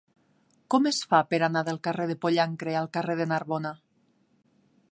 Com es fa per anar del carrer del Pollancre al carrer de Narbona?